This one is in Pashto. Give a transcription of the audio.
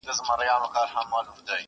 ګلکده به ستا تر پښو لاندي بیدیا سي,